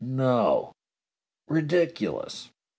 ^ No! Ridiculous!"